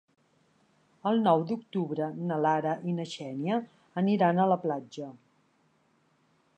El nou d'octubre na Lara i na Xènia aniran a la platja.